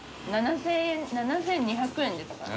７，０００円７，２００円ですからね。